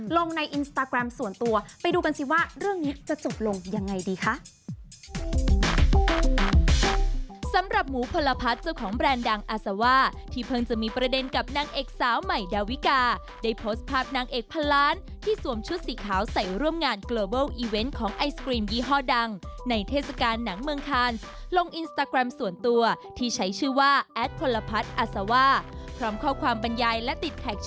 ลงในอินสตาแกรมส่วนตัวไปดูกันสิว่าเรื่องนี้จะจบลงยังไงดีคะ